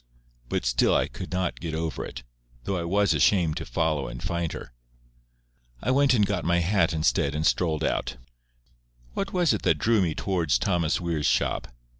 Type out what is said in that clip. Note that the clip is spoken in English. But still I could not get over it, though I was ashamed to follow and find her. I went and got my hat instead, and strolled out. What was it that drew me towards Thomas Weir's shop?